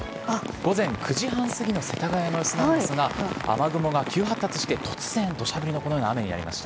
午前９時半過ぎの世田谷の様子なんですが、雨雲が急発達して、突然、どしゃ降りのこのような雨になりました。